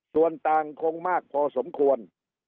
ส่วนต่างคงมากพอสมควร